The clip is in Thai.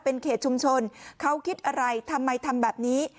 เป็นเขตชุมชนเขาคิดอะไรทำไมทำแบบนี้